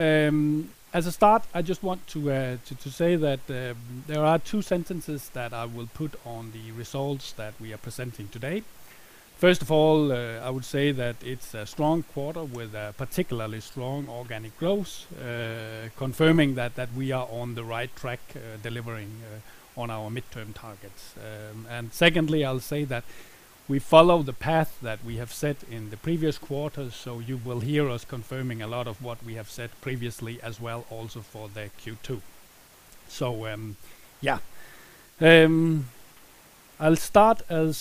As a start, I just want to say that there are two cents that I will put on the results that we are presenting today. First of all, I would say that it's a strong quarter with a particularly strong organic growth, confirming that we are on the right track, delivering on our midterm targets. Secondly, I'll say that we follow the path that we have set in the previous quarters, so you will hear us confirming a lot of what we have said previously as well also for the Q2. I'll start as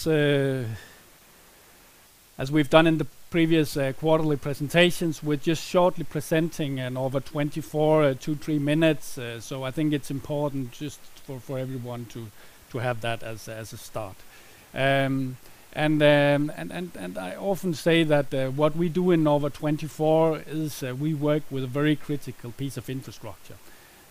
we've done in the previous quarterly presentations with just shortly presenting Norva24 in two, three minutes. I think it's important just for everyone to have that as a start. I often say that what we do in Norva24 is we work with a very critical piece of infrastructure.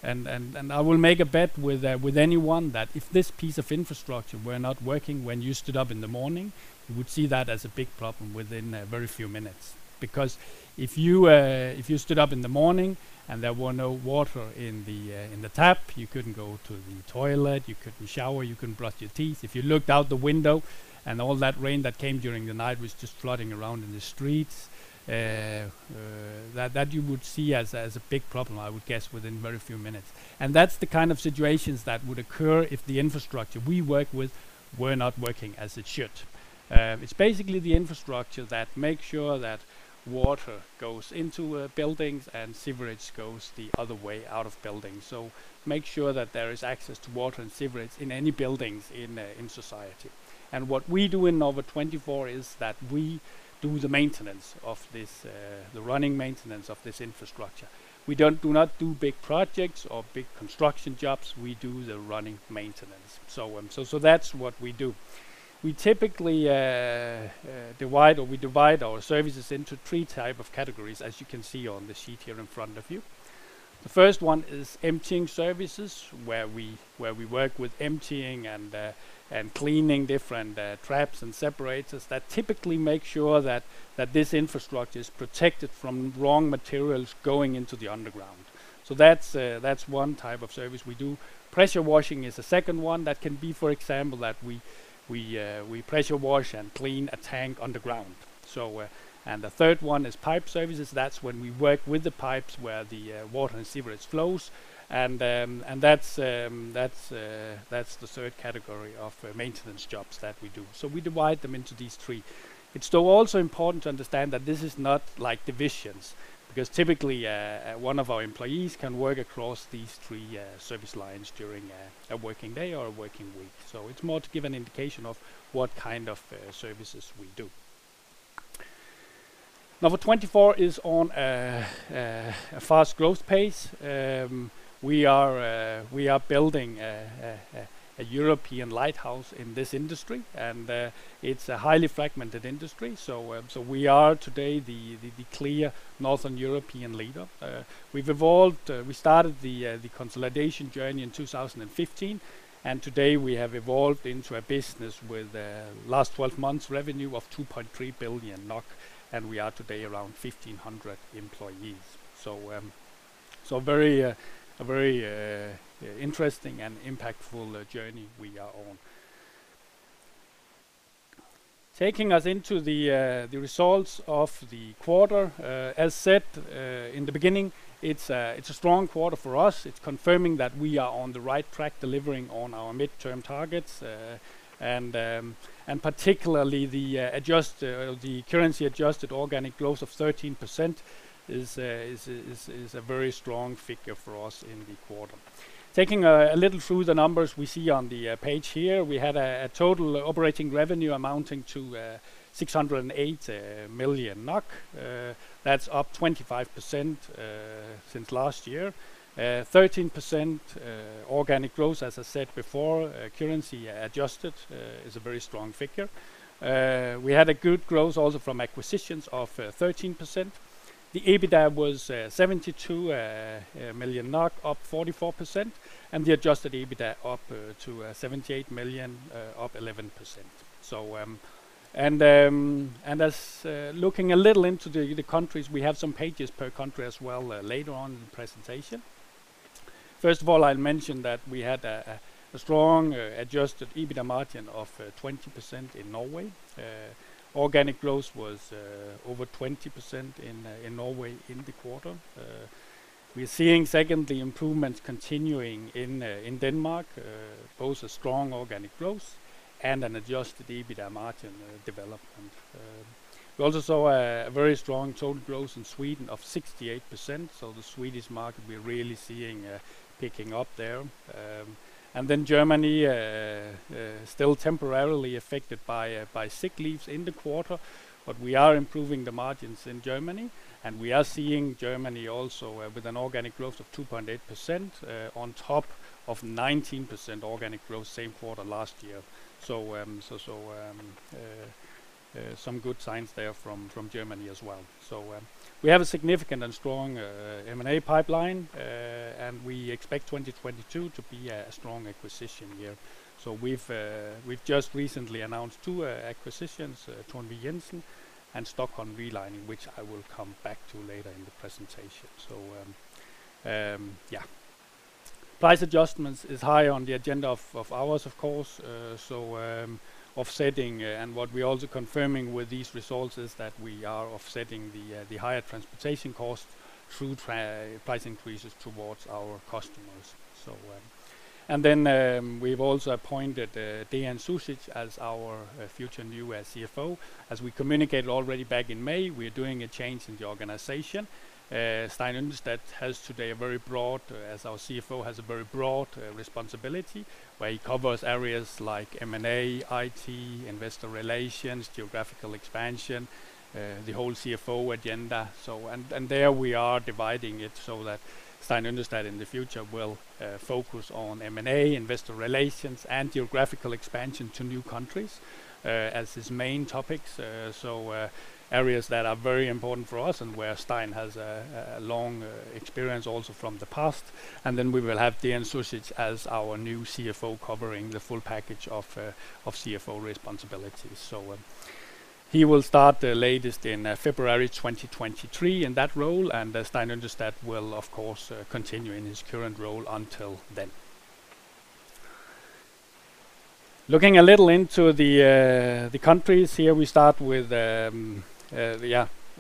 I will make a bet with anyone that if this piece of infrastructure were not working when you stood up in the morning, you would see that as a big problem within a very few minutes. Because if you stood up in the morning and there were no water in the tap, you couldn't go to the toilet, you couldn't shower, you couldn't brush your teeth. If you looked out the window and all that rain that came during the night was just flooding around in the streets, that you would see as a big problem, I would guess within very few minutes. That's the kind of situations that would occur if the infrastructure we work with were not working as it should. It's basically the infrastructure that makes sure that water goes into buildings and sewerage goes the other way out of buildings. Make sure that there is access to water and sewerage in any buildings in society. What we do in Norva24 is that we do the maintenance of this, the running maintenance of this infrastructure. We do not do big projects or big construction jobs, we do the running maintenance, so on. That's what we do. We typically divide our services into three type of categories, as you can see on the sheet here in front of you. The first one is emptying services, where we work with emptying and cleaning different traps and separators that typically make sure that this infrastructure is protected from wrong materials going into the underground. That's one type of service we do. Pressure washing is the second one that can be, for example, that we pressure wash and clean a tank underground. The third one is pipe services. That's when we work with the pipes where the water and sewerage flows. That's the third category of maintenance jobs that we do. We divide them into these three. It's though also important to understand that this is not like divisions, because typically, one of our employees can work across these three service lines during a working day or a working week. It's more to give an indication of what kind of services we do. Norva24 is on a fast growth pace. We are building a European lighthouse in this industry, and it's a highly fragmented industry. We are today the clear Northern European leader. We've evolved, we started the consolidation journey in 2015, and today we have evolved into a business with last twelve months revenue of 2.3 billion NOK, and we are today around 1,500 employees. A very interesting and impactful journey we are on. Taking us into the results of the quarter, as said in the beginning, it's a strong quarter for us. It's confirming that we are on the right track delivering on our midterm targets. Particularly the currency adjusted organic growth of 13% is a very strong figure for us in the quarter. Taking a little through the numbers we see on the page here, we had a total operating revenue amounting to 608 million NOK. That's up 25% since last year. 13% organic growth, as I said before, currency adjusted, is a very strong figure. We had a good growth also from acquisitions of 13%. The EBITDA was 72 million NOK, up 44%, and the adjusted EBITDA up to 78 million, up 11%. Looking a little into the countries, we have some pages per country as well, later on in the presentation. First of all, I'll mention that we had a strong adjusted EBITDA margin of 20% in Norway. Organic growth was over 20% in Norway in the quarter. We're seeing, secondly, improvements continuing in Denmark, both a strong organic growth and an adjusted EBITDA margin development. We also saw a very strong total growth in Sweden of 68%. The Swedish market we're really seeing picking up there. Germany still temporarily affected by sick leaves in the quarter, but we are improving the margins in Germany, and we are seeing Germany also with an organic growth of 2.8% on top of 19% organic growth same quarter last year. Some good signs there from Germany as well. We have a significant and strong M&A pipeline and we expect 2022 to be a strong acquisition year. We've just recently announced two acquisitions, Thornvig Jensen and Stockholm Relining, which I will come back to later in the presentation. Price adjustments is high on the agenda of ours, of course, offsetting and what we're also confirming with these results is that we are offsetting the higher transportation costs through price increases towards our customers. We've also appointed Dean Zuzic as our future new CFO. As we communicated already back in May, we're doing a change in the organization. Stein Yndestad has today a very broad responsibility as our CFO, where he covers areas like M&A, IT, investor relations, geographical expansion, the whole CFO agenda. There we are dividing it so that Stein Yndestad in the future will focus on M&A, investor relations, and geographical expansion to new countries, as his main topics. Areas that are very important for us and where Stein has a long experience also from the past. Then we will have Dean Zuzic as our new CFO covering the full package of CFO responsibilities. He will start latest in February 2023 in that role, and Stein Yndestad will of course continue in his current role until then. Looking a little into the countries here, we start with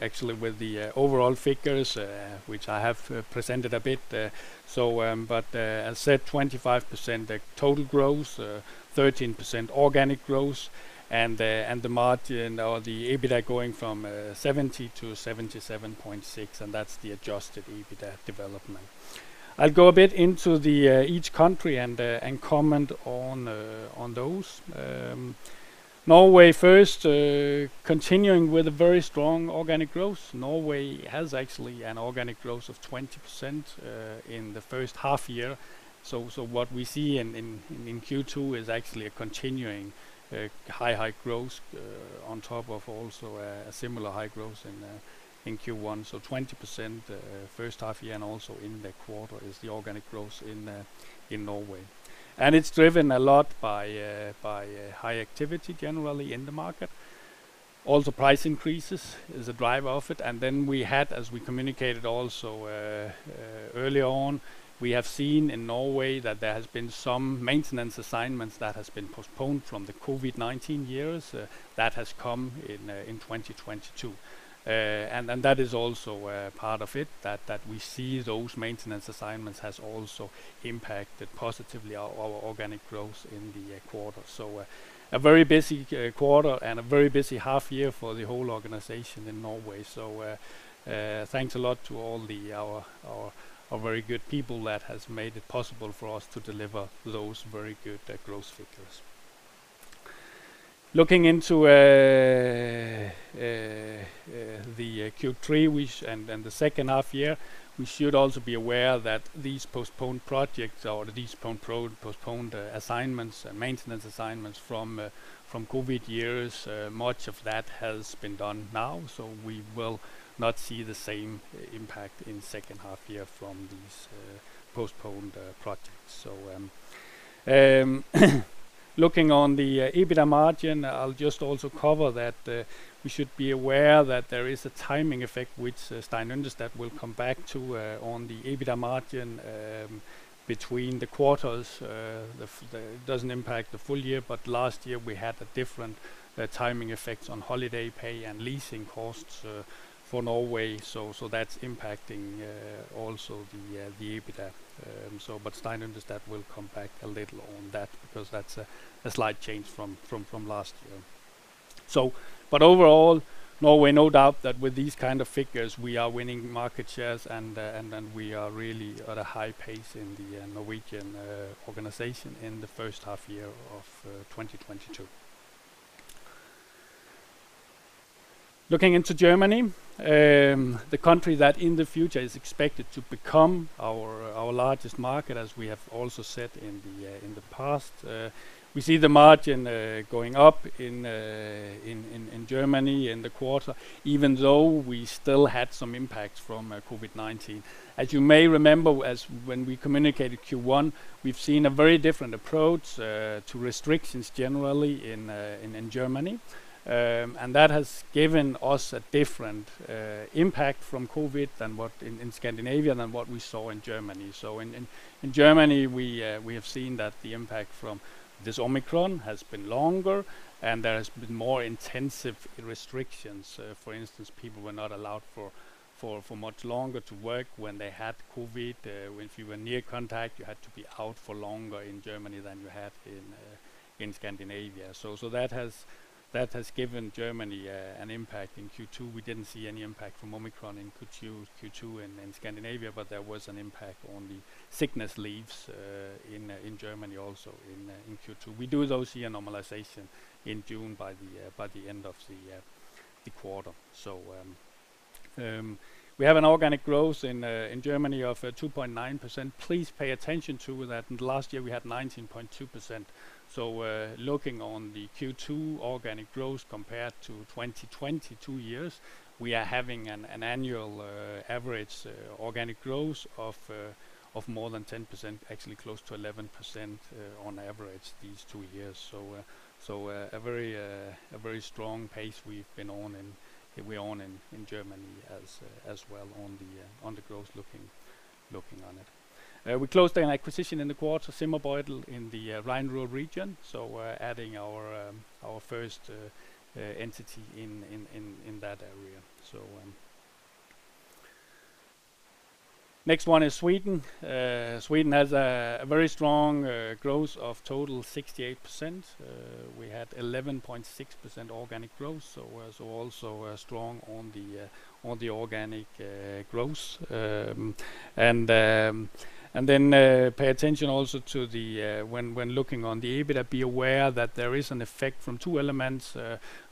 actually with the overall figures, which I have presented a bit. As said, 25% total growth, 13% organic growth and the margin or the EBITA going from 70-77.6, and that's the adjusted EBITA development. I'll go a bit into each country and comment on those. Norway first, continuing with a very strong organic growth. Norway has actually an organic growth of 20% in the first half year. What we see in Q2 is actually a continuing high growth on top of also a similar high growth in Q1. 20% first half year, and also in the quarter is the organic growth in Norway. It's driven a lot by high activity generally in the market. Also, price increases is a driver of it. We had, as we communicated also, early on, we have seen in Norway that there has been some maintenance assignments that has been postponed from the COVID-19 years, that has come in 2022. That is also a part of it that we see those maintenance assignments has also impacted positively our organic growth in the quarter. Thanks a lot to all our very good people that has made it possible for us to deliver those very good growth figures. Looking into the Q3 and the second half year, we should also be aware that these postponed projects or these postponed assignments, maintenance assignments from COVID years, much of that has been done now. We will not see the same impact in second half year from these postponed projects. Looking at the EBITA margin, I'll just also cover that, we should be aware that there is a timing effect which Stein Yndestad will come back to on the EBITA margin between the quarters. It doesn't impact the full year, but last year we had a different timing effect on holiday pay and leasing costs for Norway, so that's impacting also the EBITA. Stein Yndestad will come back a little on that because that's a slight change from last year. Overall, Norway, no doubt that with these kind of figures, we are winning market shares and we are really at a high pace in the Norwegian organization in the first half year of 2022. Looking into Germany, the country that in the future is expected to become our largest market, as we have also said in the past. We see the margin going up in Germany in the quarter, even though we still had some impacts from COVID-19. As you may remember, when we communicated Q1, we've seen a very different approach to restrictions generally in Germany. That has given us a different impact from COVID than what in Scandinavia than what we saw in Germany. In Germany, we have seen that the impact from this Omicron has been longer and there has been more intensive restrictions. For instance, people were not allowed for much longer to work when they had COVID. If you were close contact, you had to be out for longer in Germany than you had in Scandinavia. That has given Germany an impact. In Q2, we didn't see any impact from Omicron in Q2 in Scandinavia, but there was an impact on the sickness leaves in Germany also in Q2. We do though see a normalization in June by the end of the quarter. We have an organic growth in Germany of 2.9%. Please pay attention to that. In the last year, we had 19.2%. Looking at the Q2 organic growth compared to 2022, we are having an annual average organic growth of more than 10%, actually close to 11%, on average these two years. A very strong pace we've been on in Norway and in Germany as well on the growth looking on it. We closed an acquisition in the quarter, Zimmerbeutel, in the Rhine-Ruhr region, so we're adding our first entity in that area. Next one is Sweden. Sweden has a very strong growth of total 68%. We had 11.6% organic growth, so it was also strong on the organic growth. Pay attention also to, when looking at the EBITA, be aware that there is an effect from two elements.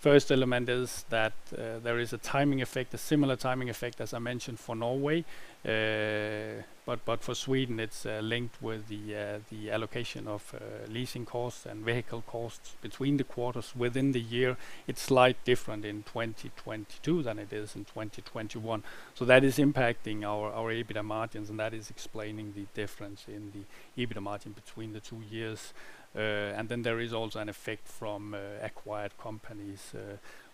First element is that there is a timing effect, a similar timing effect as I mentioned for Norway. For Sweden it's linked with the allocation of leasing costs and vehicle costs between the quarters within the year. It's slightly different in 2022 than it is in 2021, so that is impacting our EBITA margins, and that is explaining the difference in the EBITA margin between the two years. Then there is also an effect from acquired companies.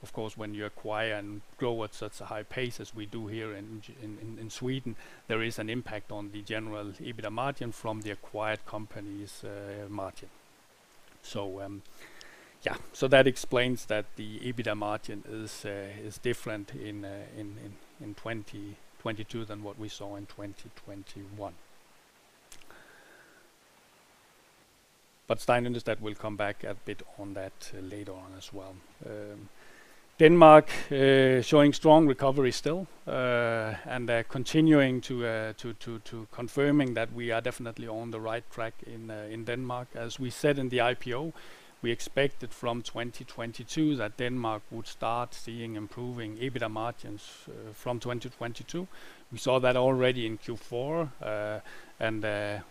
Of course, when you acquire and grow at such a high pace as we do here in Sweden, there is an impact on the general EBITA margin from the acquired companies' margin. That explains that the EBITA margin is different in 2022 than what we saw in 2021. Stein Yndestad will come back a bit on that later on as well. Denmark showing strong recovery still. They're continuing to confirming that we are definitely on the right track in Denmark. As we said in the IPO, we expected from 2022 that Denmark would start seeing improving EBITA margins from 2022. We saw that already in Q4 and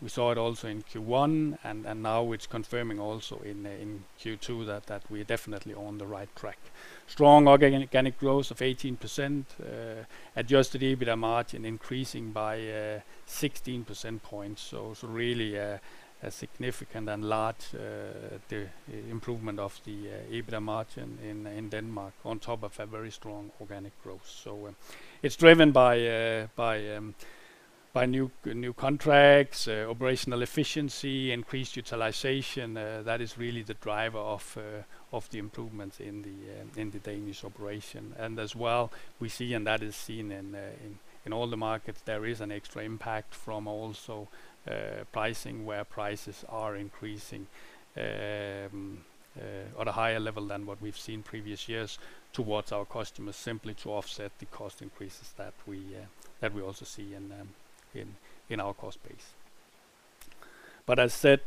we saw it also in Q1, and now it's confirming also in Q2 that we're definitely on the right track. Strong organic growth of 18%. Adjusted EBITA margin increasing by 16 percentage points. It's really a significant and large improvement of the EBITA margin in Denmark on top of a very strong organic growth. It's driven by new contracts, operational efficiency, increased utilization. That is really the driver of the improvements in the Danish operation. As well, we see, and that is seen in all the markets, there is an extra impact from also pricing where prices are increasing on a higher level than what we've seen previous years towards our customers, simply to offset the cost increases that we also see in our cost base. As said,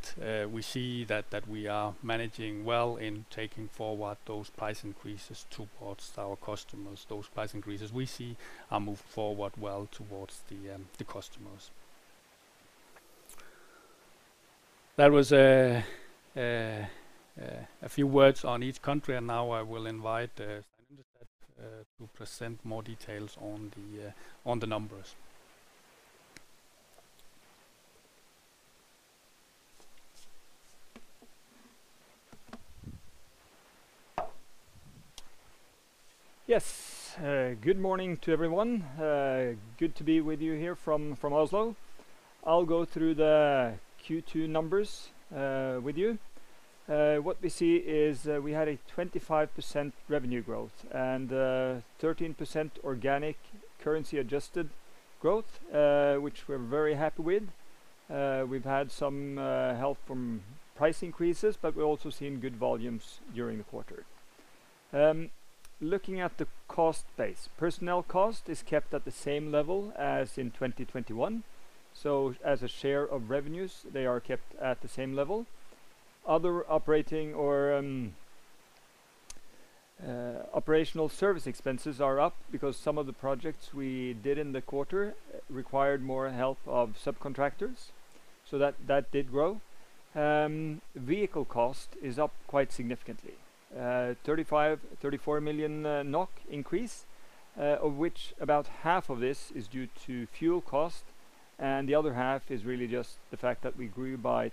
we see that we are managing well in taking forward those price increases towards our customers. Those price increases we see are moving forward well towards the customers. That was a few words on each country, and now I will invite Stein Yndestad to present more details on the numbers. Yes. Good morning to everyone. Good to be with you here from Oslo. I'll go through the Q2 numbers with you. What we see is we had a 25% revenue growth and 13% organic currency adjusted growth, which we're very happy with. We've had some help from price increases, but we're also seeing good volumes during the quarter. Looking at the cost base. Personnel cost is kept at the same level as in 2021, so as a share of revenues, they are kept at the same level. Other operating or operational service expenses are up because some of the projects we did in the quarter required more help of subcontractors, so that did grow. Vehicle cost is up quite significantly. 34 million NOK increase, of which about half of this is due to fuel cost, and the other half is really just the fact that we grew by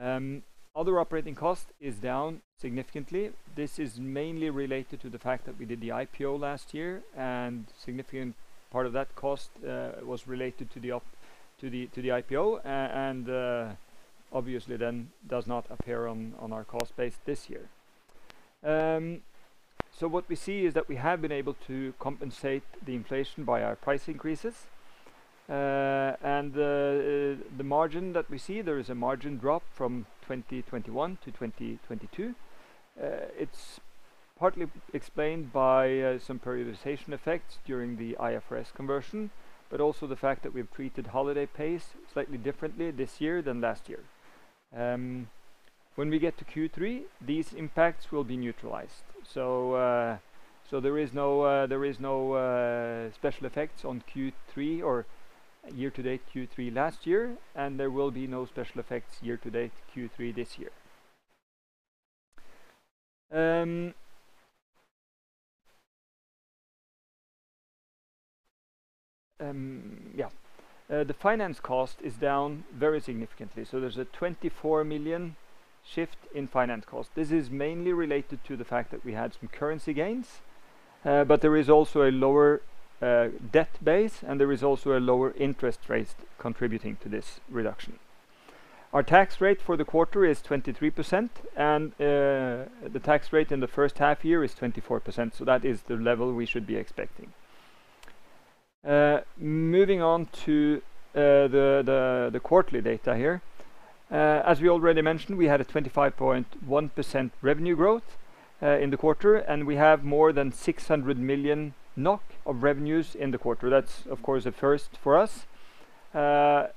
25%. Other operating cost is down significantly. This is mainly related to the fact that we did the IPO last year and significant part of that cost was related to the IPO, and obviously then does not appear on our cost base this year. What we see is that we have been able to compensate the inflation by our price increases. The margin that we see, there is a margin drop from 2021-2022. It's partly explained by some periodization effects during the IFRS conversion, but also the fact that we've treated holiday pay slightly differently this year than last year. When we get to Q3, these impacts will be neutralized. There is no special effects on Q3 or year-to-date Q3 last year, and there will be no special effects year-to-date Q3 this year. The finance cost is down very significantly, so there's a 24 million shift in finance cost. This is mainly related to the fact that we had some currency gains, but there is also a lower debt base, and there is also a lower interest rates contributing to this reduction. Our tax rate for the quarter is 23%, and the tax rate in the first half year is 24%, so that is the level we should be expecting. Moving on to the quarterly data here. As we already mentioned, we had a 25.1% revenue growth in the quarter, and we have more than 600 million NOK of revenues in the quarter. That's of course, a first for us. And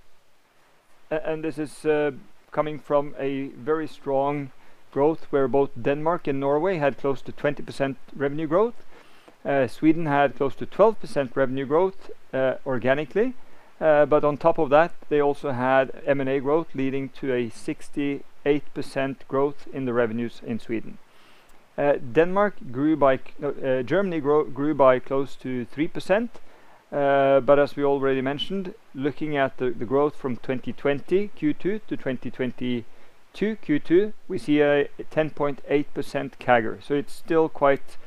this is coming from a very strong growth where both Denmark and Norway had close to 20% revenue growth. Sweden had close to 12% revenue growth organically. But on top of that, they also had M&A growth leading to a 68% growth in the revenues in Sweden. Denmark grew by. Germany grew by close to 3%. As we already mentioned, looking at the growth from 2020 Q2 to 2022 Q2, we see a 10.8% CAGR. It's still quite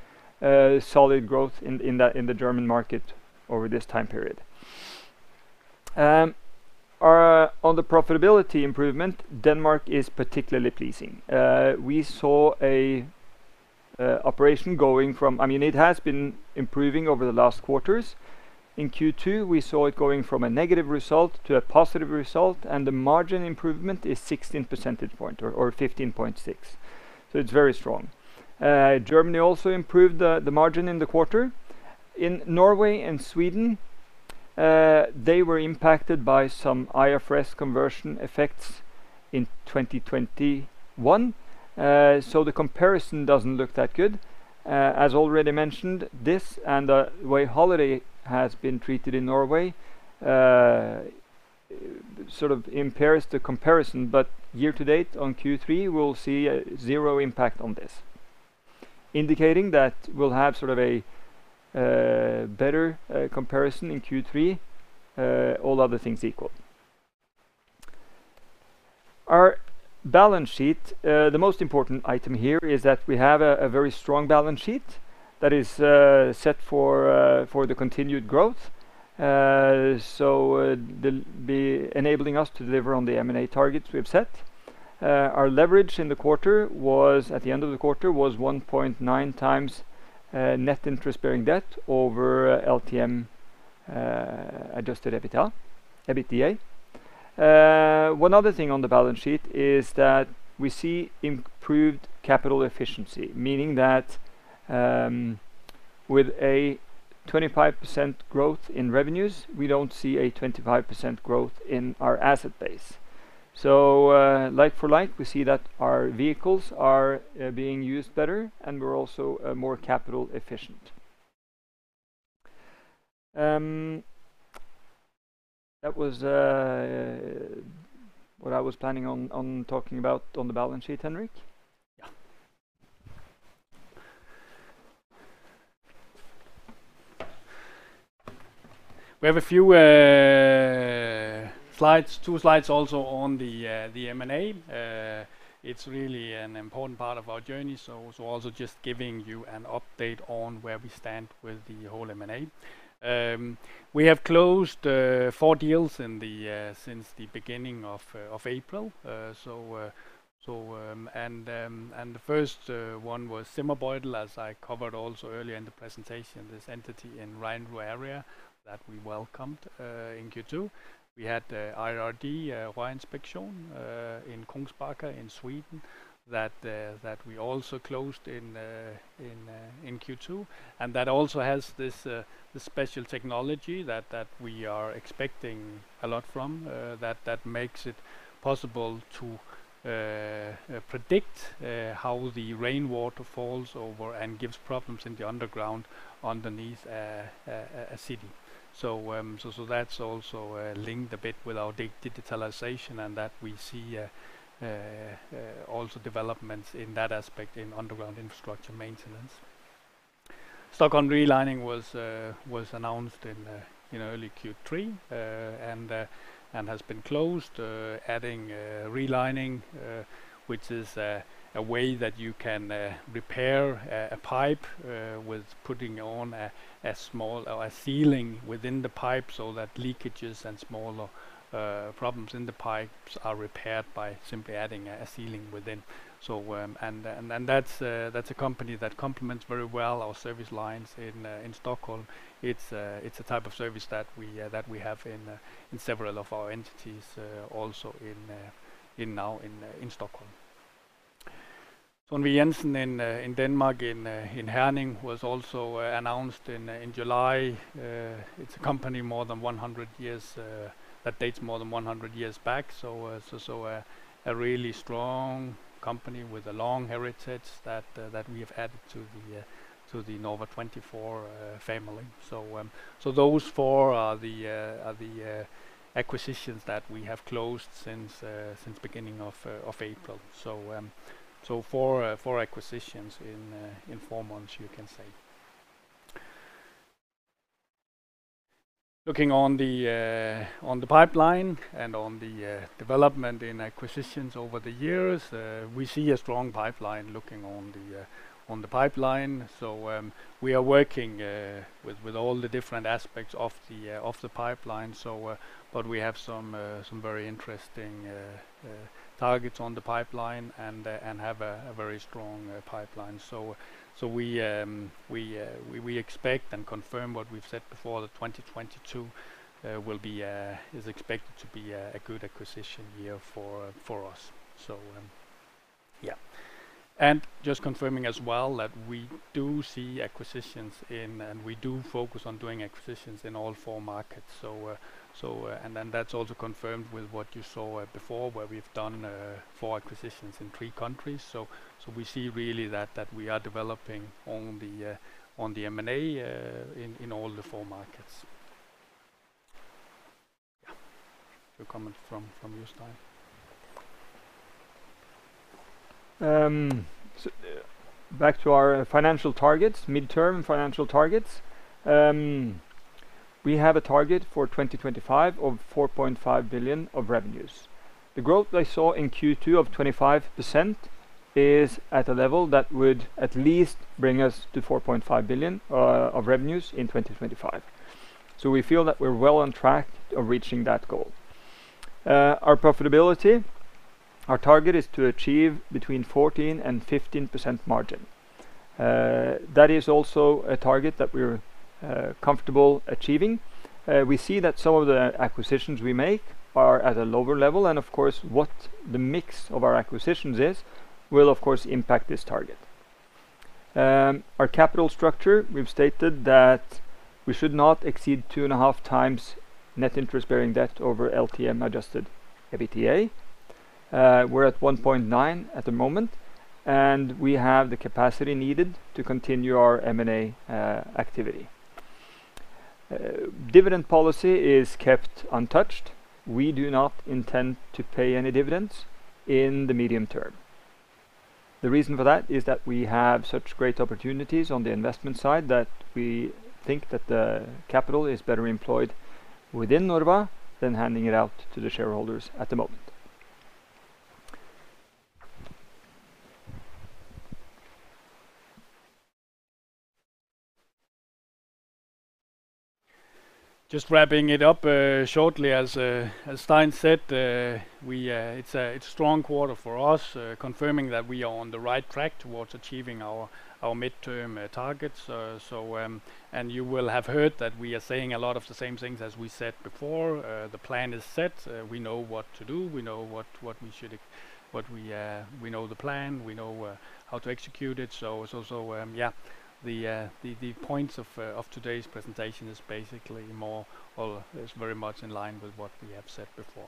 solid growth in the German market over this time period. On the profitability improvement, Denmark is particularly pleasing. I mean, it has been improving over the last quarters. In Q2, we saw it going from a negative result to a positive result, and the margin improvement is 16 percentage point or 15.6. It's very strong. Germany also improved the margin in the quarter. In Norway and Sweden, they were impacted by some IFRS conversion effects in 2021, so the comparison doesn't look that good. As already mentioned, this and the way holiday has been treated in Norway sort of impairs the comparison. Year-to-date on Q3, we'll see a zero impact on this, indicating that we'll have sort of a better comparison in Q3, all other things equal. Our balance sheet, the most important item here is that we have a very strong balance sheet that is set for the continued growth. It'll be enabling us to deliver on the M&A targets we have set. Our leverage in the quarter was at the end of the quarter 1.9x net interest bearing debt over LTM adjusted EBITDA. One other thing on the balance sheet is that we see improved capital efficiency, meaning that, with a 25% growth in revenues, we don't see a 25% growth in our asset base. Like for like, we see that our vehicles are being used better, and we're also more capital efficient. That was what I was planning on talking about on the balance sheet, Henrik. Yeah. We have a few slides, two slides also on the M&A. It's really an important part of our journey, so also just giving you an update on where we stand with the whole M&A. We have closed four deals since the beginning of April. The first one was Zimmerbeutel, as I covered also earlier in the presentation, this entity in Rhine-Ruhr area that we welcomed in Q2. We had IRG Rörinspektion in Kungsbacka in Sweden that we also closed in Q2. That also has this special technology that we are expecting a lot from, that makes it possible to predict how the rainwater falls over and gives problems in the underground underneath a city. That's also linked a bit with our digitalization and that we see also developments in that aspect in underground infrastructure maintenance. Stockholm Relining was announced in early Q3 and has been closed, adding relining, which is a way that you can repair a pipe with putting on a small or a lining within the pipe so that leakages and smaller problems in the pipes are repaired by simply adding a lining within. That's a company that complements very well our service lines in Stockholm. It's a type of service that we have in several of our entities, also now in Stockholm. Thornvig Jensen in Denmark in Herning was also announced in July. It's a company more than 100 years that dates more than 100 years back. A really strong company with a long heritage that we have added to the Norva24 family. Those four are the acquisitions that we have closed since beginning of April. Four acquisitions in four months you can say. Looking on the pipeline and on the development in acquisitions over the years, we see a strong pipeline. We are working with all the different aspects of the pipeline. We have some very interesting targets on the pipeline and have a very strong pipeline. We expect and confirm what we've said before, that 2022 will be is expected to be a good acquisition year for us. Yeah. Just confirming as well that we do see acquisitions in and we do focus on doing acquisitions in all four markets, so. That's also confirmed with what you saw before, where we've done four acquisitions in three countries. We see really that we are developing on the M&A in all four markets. Yeah. Your comment from your side. Back to our financial targets, midterm financial targets. We have a target for 2025 of 4.5 billion of revenues. The growth that I saw in Q2 of 25% is at a level that would at least bring us to 4.5 billion of revenues in 2025. We feel that we're well on track of reaching that goal. Our profitability, our target is to achieve between 14% and 15% margin. That is also a target that we're comfortable achieving. We see that some of the acquisitions we make are at a lower level, and of course, what the mix of our acquisitions is will of course impact this target. Our capital structure, we've stated that we should not exceed 2.5x net interest-bearing debt over LTM adjusted EBITDA. We're at 1.9 at the moment, and we have the capacity needed to continue our M&A activity. Dividend policy is kept untouched. We do not intend to pay any dividends in the medium term. The reason for that is that we have such great opportunities on the investment side that we think that the capital is better employed within Norva than handing it out to the shareholders at the moment. Just wrapping it up shortly. As Stein said, we... It's a strong quarter for us, confirming that we are on the right track towards achieving our midterm targets. You will have heard that we are saying a lot of the same things as we said before. The plan is set. We know what to do. We know the plan. We know how to execute it. The points of today's presentation is very much in line with what we have said before.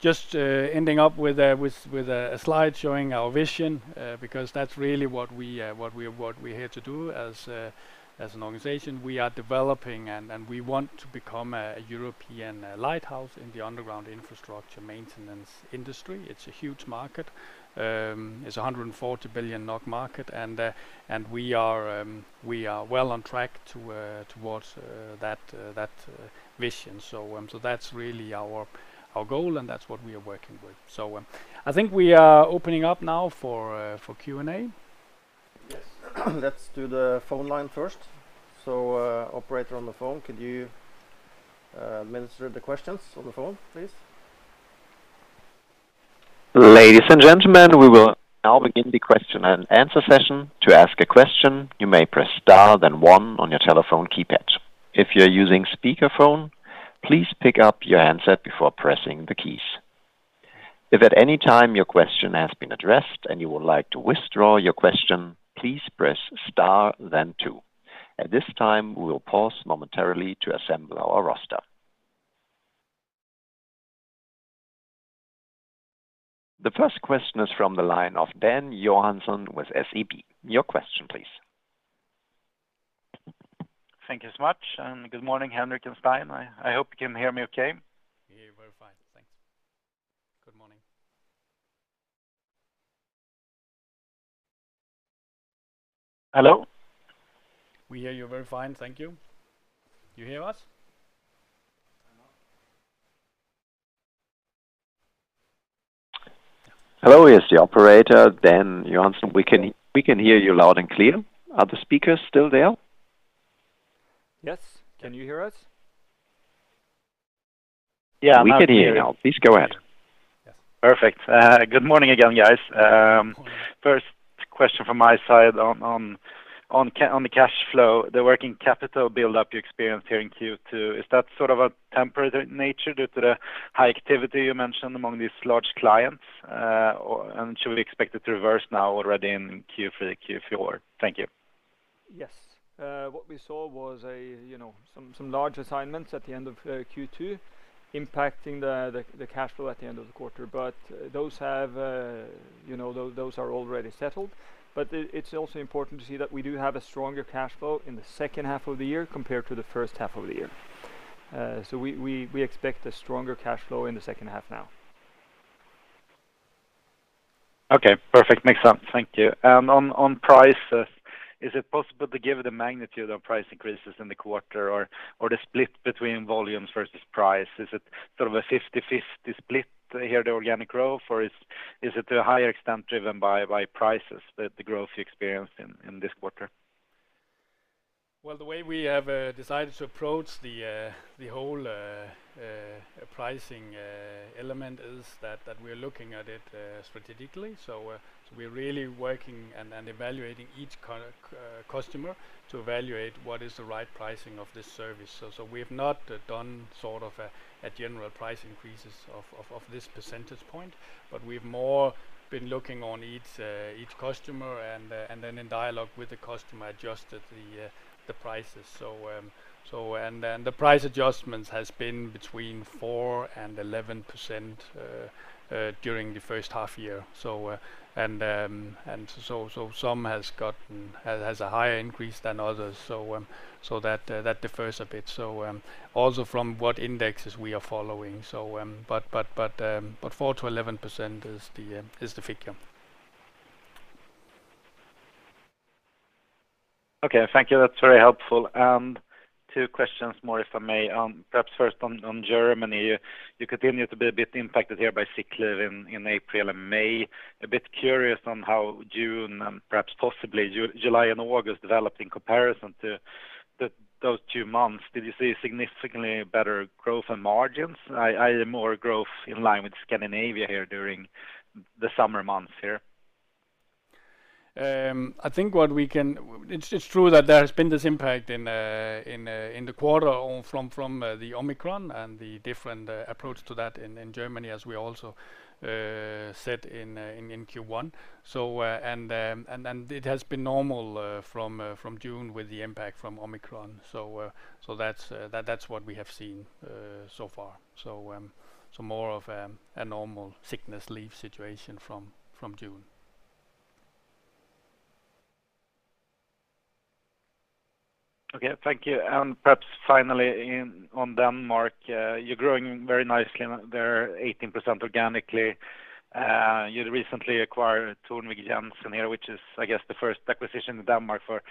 Just ending up with a slide showing our vision, because that's really what we're here to do as an organization. We are developing and we want to become a European lighthouse in the underground infrastructure maintenance industry. It's a huge market. It's 140 billion NOK market and we are well on track towards that vision. That's really our goal and that's what we are working with. I think we are opening up now for Q&A. Yes. Let's do the phone line first. Operator on the phone, could you administer the questions on the phone, please? Ladies and gentlemen, we will now begin the question-and-answer session. To ask a question, you may press star then one on your telephone keypad. If you're using speakerphone, please pick up your handset before pressing the keys. If at any time your question has been addressed and you would like to withdraw your question, please press star then two. At this time, we will pause momentarily to assemble our roster. The first question is from the line of Dan Johansson with SEB. Your question please. Thank you so much, and good morning, Henrik and Stein. I hope you can hear me okay. We hear you very fine, thanks. Good morning. Hello? We hear you very fine, thank you. You hear us? I know. Hello, here's the operator. Dan Johansson, we can hear you loud and clear. Are the speakers still there? Yes. Can you hear us? Yeah, loud and clear. We can hear you now. Please go ahead. Yes. Perfect. Good morning again, guys. Good morning. First question from my side on the cash flow. The working capital build-up you experienced here in Q2, is that sort of a temporary nature due to the high activity you mentioned among these large clients? Should we expect it to reverse now already in Q3, Q4? Thank you. Yes. What we saw was, you know, some large assignments at the end of Q2 impacting the cash flow at the end of the quarter. Those, you know, are already settled. It's also important to see that we do have a stronger cash flow in the second half of the year compared to the first half of the year. We expect a stronger cash flow in the second half now. Okay, perfect. Makes sense. Thank you. On prices, is it possible to give the magnitude of price increases in the quarter or the split between volumes versus price? Is it sort of a 50/50 split here, the organic growth or is it a higher extent driven by prices, the growth you experienced in this quarter? Well, the way we have decided to approach the whole pricing element is that we are looking at it strategically. We're really working and evaluating each customer to evaluate what is the right pricing of this service. We have not done sort of a general price increases of this percentage point, but we've more been looking on each customer and then in dialogue with the customer adjusted the prices. And then the price adjustments has been between 4% and 11% during the first half year. Some has gotten a higher increase than others. That differs a bit. Also from what indexes we are following. 4%-11% is the figure. Okay. Thank you. That's very helpful. Two questions more, if I may. Perhaps first on Germany. You continue to be a bit impacted here by sick leave in April and May. A bit curious on how June and perhaps possibly July and August developed in comparison to those two months. Did you see significantly better growth and margins? More growth in line with Scandinavia here during the summer months here. It's true that there has been this impact in the quarter from the Omicron and the different approach to that in Germany as we also said in Q1. It has been normal from June with the impact from Omicron. That's what we have seen so far. More of a normal sickness leave situation from June. Okay. Thank you. Perhaps finally, on Denmark, you're growing very nicely there, 18% organically. You'd recently acquired Thornvig Jensen here, which is, I guess, the first acquisition in Denmark for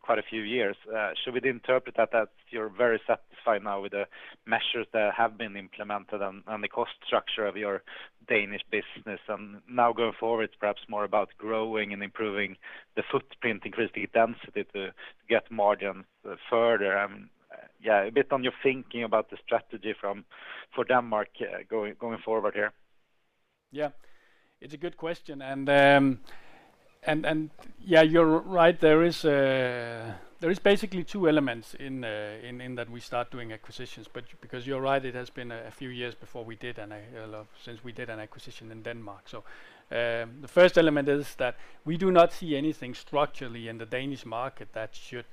quite a few years. Should we interpret that you're very satisfied now with the measures that have been implemented on the cost structure of your Danish business, and now going forward perhaps more about growing and improving the footprint, increasing density to get margins further? Yeah, a bit on your thinking about the strategy for Denmark going forward here. Yeah. It's a good question. Yeah, you're right. There is basically two elements in that we start doing acquisitions. Because you're right, it has been a few years since we did an acquisition in Denmark. The first element is that we do not see anything structurally in the Danish market that should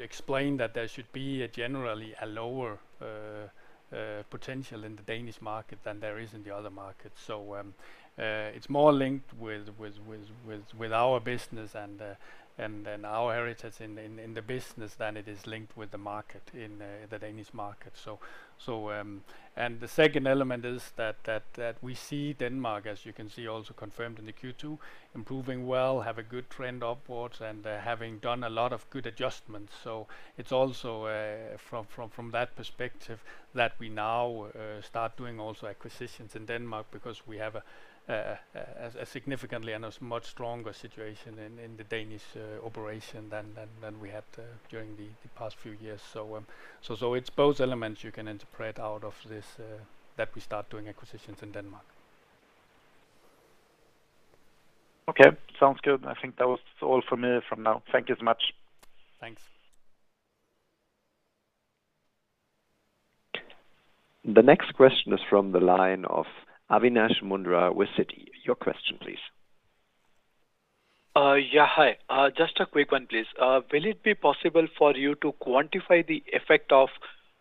explain that there should be a generally lower potential in the Danish market than there is in the other markets. It's more linked with our business and then our heritage in the business than it is linked with the market in the Danish market. The second element is that we see Denmark, as you can see, also confirmed in the Q2, improving well, have a good trend upwards, and having done a lot of good adjustments. It's also from that perspective that we now start doing also acquisitions in Denmark because we have a significantly and a much stronger situation in the Danish operation than we had during the past few years. It's both elements you can interpret out of this that we start doing acquisitions in Denmark. Okay. Sounds good. I think that was all for me from now. Thank you so much. Thanks. The next question is from the line of Avinash Mundhra with Citi. Your question, please. Yeah. Hi. Just a quick one, please. Will it be possible for you to quantify the effect of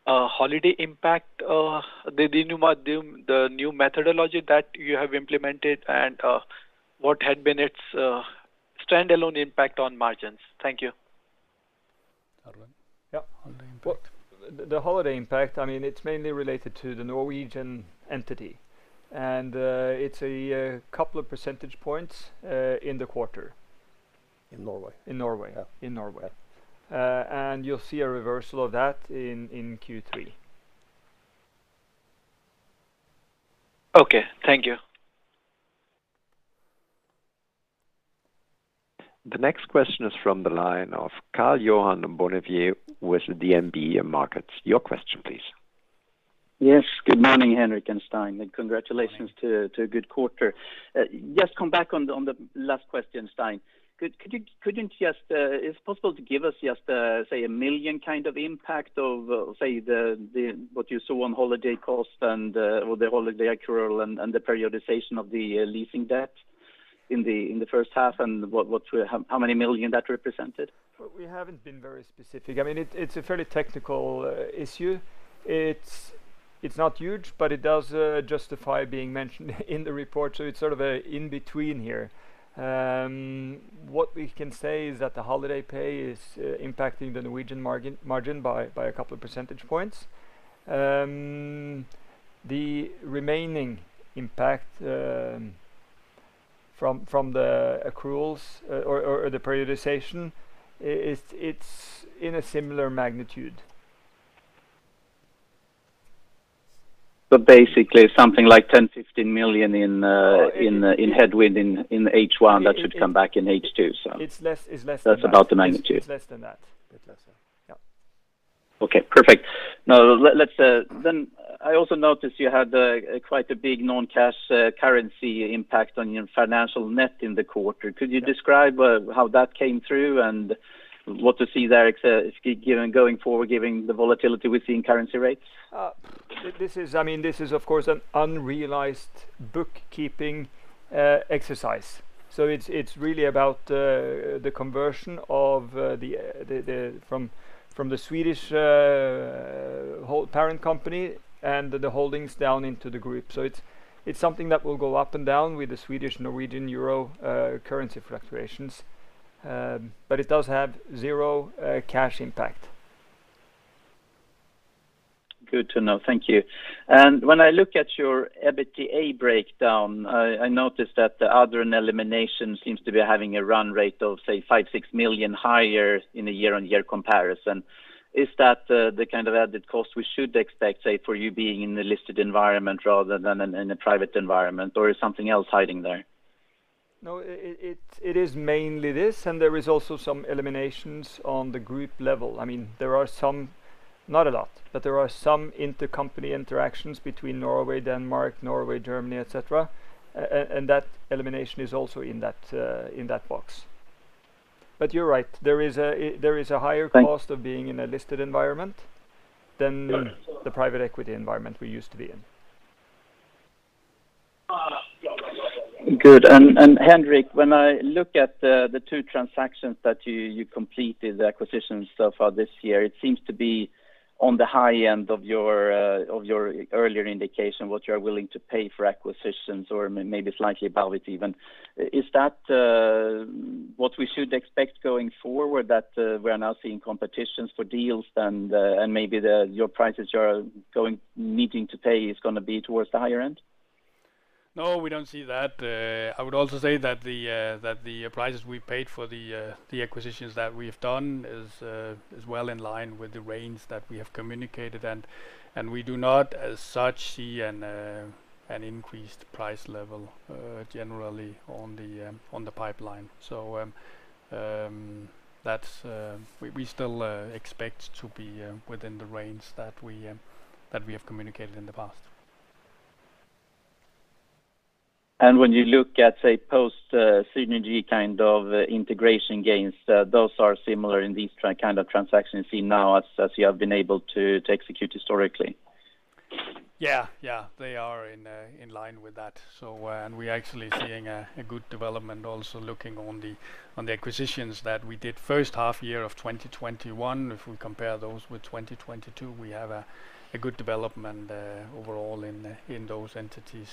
holiday impact, the new methodology that you have implemented, and what had been its standalone impact on margins? Thank you. Stein? Yeah. Holiday impact. The holiday impact, I mean, it's mainly related to the Norwegian entity, and it's a couple of percentage points in the quarter. In Norway. In Norway. Yeah. In Norway. Yeah. You'll see a reversal of that in Q3. Okay. Thank you. The next question is from the line of Karl-Johan Bonnevier with DNB Markets. Your question please. Yes. Good morning, Henrik and Stein, and congratulations to a good quarter. Just come back on the last question, Stein. Couldn't you just. Is it possible to give us just a, say, a million kind of impact of, say, what you saw on holiday cost and or the holiday accrual and the periodization of the leasing debt in the first half, and how many million that represented? We haven't been very specific. I mean, it's a fairly technical issue. It's not huge, but it does justify being mentioned in the report, so it's sort of an in-between here. What we can say is that the holiday pay is impacting the Norwegian margin by a couple of percentage points. The remaining impact from the accruals or the periodization, it's in a similar magnitude. Basically something like 10 million-15 million in headwind in H1 that should come back in H2. It's less than that. That's about the magnitude. It's less than that. A bit lesser. Yep. Okay. Perfect. Now let's. I also noticed you had quite a big non-cash currency impact on your financial net in the quarter. Could you describe how that came through and what to expect going forward given the volatility we see in currency rates? I mean, this is of course an unrealized bookkeeping exercise. It's really about the conversion from the Swedish whole parent company and the holdings down into the group. It's something that will go up and down with the Swedish, Norwegian euro currency fluctuations. But it does have zero cash impact. Good to know. Thank you. When I look at your EBITDA breakdown, I noticed that the other and elimination seems to be having a run rate of, say, 5 million-6 million higher in a year-on-year comparison. Is that the kind of added cost we should expect, say, for you being in a listed environment rather than in a private environment or is something else hiding there? No, it is mainly this, and there is also some eliminations on the group level. I mean, there are some, not a lot, but there are some intercompany interactions between Norway, Denmark, Norway, Germany, et cetera. And that elimination is also in that box. But you're right, there is a higher- Thank-... cost of being in a listed environment than the private equity environment we used to be in. Good. Henrik, when I look at the two transactions that you completed, the acquisitions so far this year, it seems to be on the high end of your earlier indication, what you're willing to pay for acquisitions or maybe slightly above it even. Is that what we should expect going forward that we are now seeing competition for deals and maybe the prices you're going to need to pay is gonna be towards the higher end? No, we don't see that. I would also say that the prices we paid for the acquisitions that we've done is well in line with the range that we have communicated and we do not as such see an increased price level generally on the pipeline. That's. We still expect to be within the range that we have communicated in the past. When you look at, say, post synergy kind of integration gains, those are similar in these kind of transactions seen now as you have been able to execute historically. Yeah. They are in line with that. We're actually seeing a good development also looking at the acquisitions that we did first half year of 2021. If we compare those with 2022, we have a good development overall in those entities.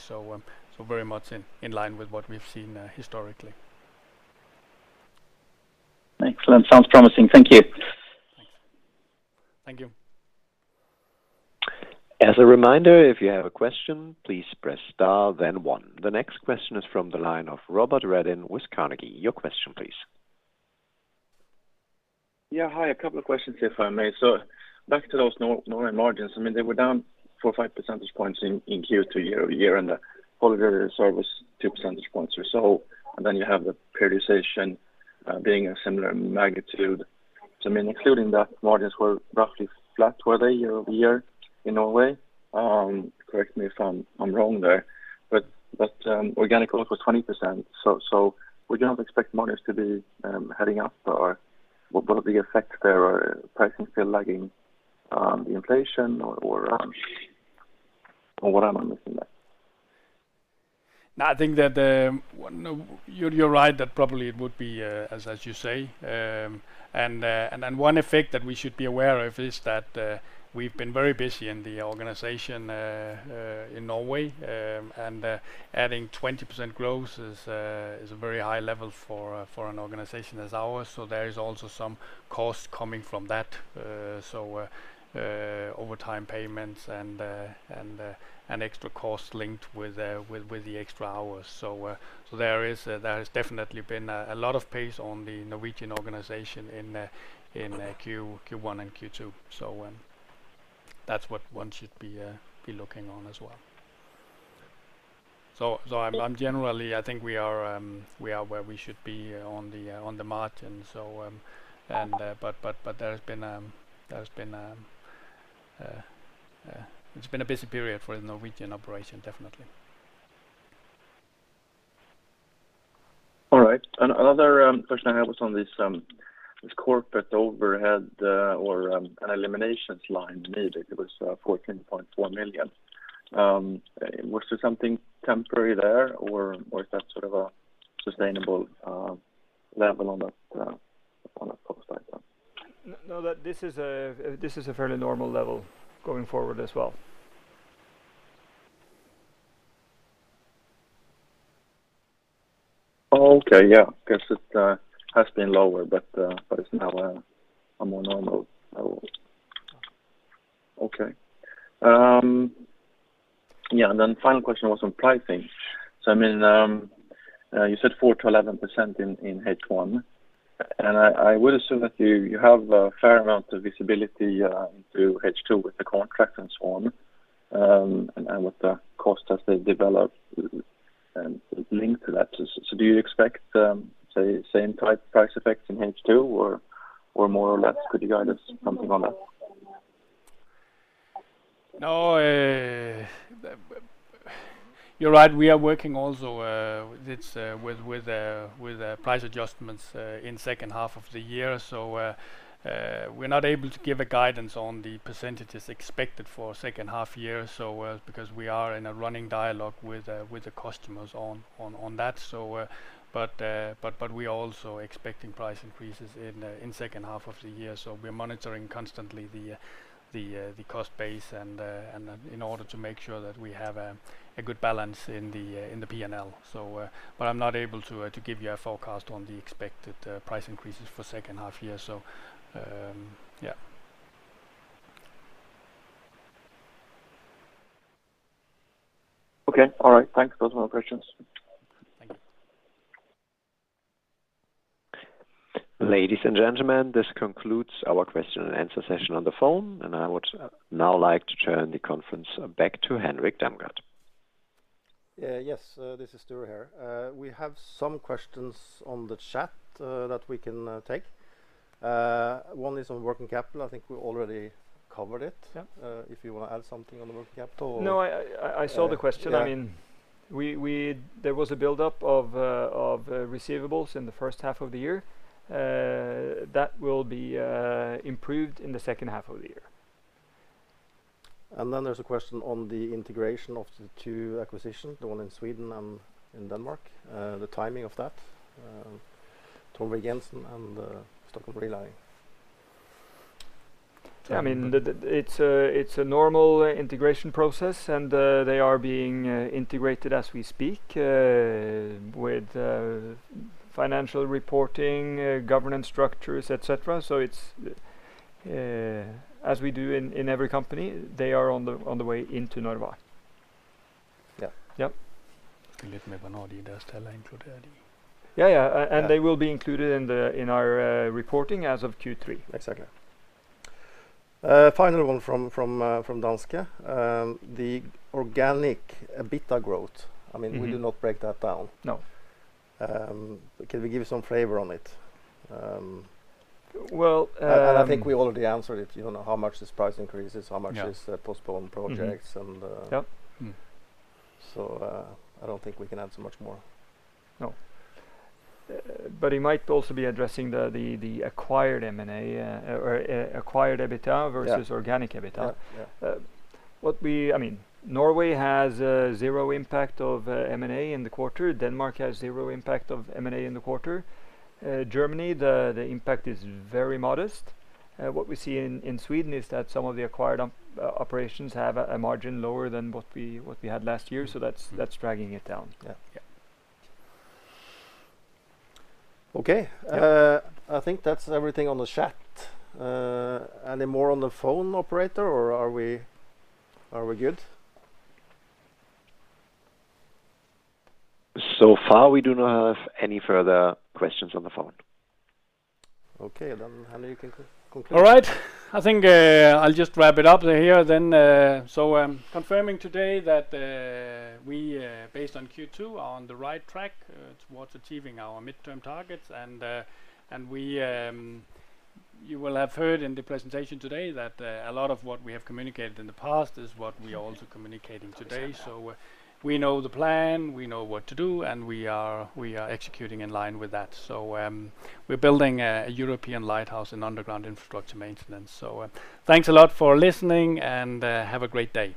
Very much in line with what we've seen historically. Excellent. Sounds promising. Thank you. Thanks. Thank you. As a reminder, if you have a question, please press star then one. The next question is from the line of Robert Redin with Carnegie. Your question please. Yeah. Hi. A couple of questions if I may. Back to those Norway margins, I mean they were down 4-5 percentage points in Q2 year-over-year and the holiday service 2 percentage points or so, and then you have the periodization being a similar magnitude. I mean including that margins were roughly flat were they year-over-year in Norway? Correct me if I'm wrong there, but organic growth was 20% so we do not expect margins to be heading up or what would be the effect there or pricing still lagging on the inflation or what am I missing there? No, I think that. No, you're right that probably it would be, as you say. One effect that we should be aware of is that we've been very busy in the organization in Norway, and adding 20% growth is a very high level for an organization as ours. There is also some cost coming from that, overtime payments and an extra cost linked with the extra hours. There has definitely been a lot of pace on the Norwegian organization in Q1 and Q2. That's what one should be looking on as well. I'm generally. I think we are where we should be on the margin. It's been a busy period for the Norwegian operation definitely. All right. Another question I have is on this corporate overhead or an eliminations line maybe it was 14.4 million. Was there something temporary there or is that sort of a sustainable level on that cost side then? No. That this is a fairly normal level going forward as well. Okay. Yeah. I guess it has been lower, but it's now a more normal level. Okay. Yeah, final question was on pricing. I mean, you said 4%-11% in H1, and I would assume that you have a fair amount of visibility into H2 with the contract and so on, and with the cost as they develop and linked to that. Do you expect, say, same type price effects in H2 or more or less? Could you give us some guidance on that? No, you're right, we are working also with its price adjustments in second half of the year. We're not able to give a guidance on the percentages expected for second half year, because we are in a running dialogue with the customers on that. We are also expecting price increases in second half of the year, so we're monitoring constantly the cost base and in order to make sure that we have a good balance in the P&L. I'm not able to give you a forecast on the expected price increases for second half year. Yeah. Okay. All right. Thanks. Those were all questions. Thank you. Ladies and gentlemen, this concludes our question-and-answer session on the phone, and I would now like to turn the conference back to Henrik Damgaard. Yeah. Yes, this is Sture here. We have some questions on the chat that we can take. One is on working capital. I think we already covered it. Yeah. If you wanna add something on the working capital. No, I saw the question. Yeah. I mean, there was a buildup of receivables in the first half of the year. That will be improved in the second half of the year. There's a question on the integration of the two acquisitions, the one in Sweden and in Denmark, the timing of that. Thornvig Jensen and Stockholm Relining. Yeah. I mean, it's a normal integration process, and they are being integrated as we speak, with financial reporting, governance structures, et cetera. It's as we do in every company, they are on the way into Norva. Yeah. Yeah. Yeah, yeah. Yeah. They will be included in our reporting as of Q3. Exactly. Final one from Danske. The organic EBITDA growth, I mean. Mm-hmm We do not break that down. No. Can we give you some flavor on it? Well. I think we already answered it, you know, how much this price increase is. Yeah postponed projects and Yeah. I don't think we can add so much more. No. He might also be addressing the acquired M&A, or acquired EBITDA versus- Yeah organic EBITDA. Yeah. Yeah. I mean, Norway has zero impact of M&A in the quarter. Denmark has zero impact of M&A in the quarter. Germany, the impact is very modest. What we see in Sweden is that some of the acquired operations have a margin lower than what we had last year. That's dragging it down. Yeah. Yeah. Okay. Yeah. I think that's everything on the chat. Any more on the phone, operator, or are we good? So far, we do not have any further questions on the phone. Okay. Henrik, you can conclude. All right. I think I'll just wrap it up here then. I'm confirming today that we, based on Q2, are on the right track towards achieving our midterm targets. You will have heard in the presentation today that a lot of what we have communicated in the past is what we are also communicating today. We know the plan, we know what to do, and we are executing in line with that. We're building a European lighthouse in underground infrastructure maintenance. Thanks a lot for listening, and have a great day.